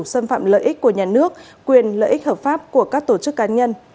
xâm phạm lợi ích của nhà nước quyền lợi ích hợp pháp của các tổ chức cá nhân